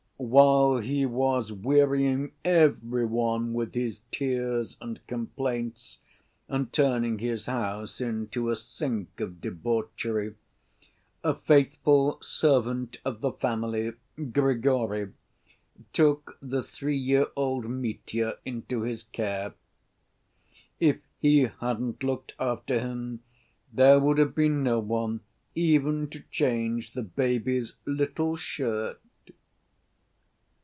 While he was wearying every one with his tears and complaints, and turning his house into a sink of debauchery, a faithful servant of the family, Grigory, took the three‐year‐old Mitya into his care. If he hadn't looked after him there would have been no one even to change the baby's little shirt.